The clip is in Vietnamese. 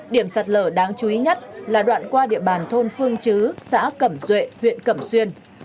điểm sạt lở đáng chú ý nhất là đoạn qua địa bàn thôn phương chứ xã cẩm duệ huyện cẩm xuyên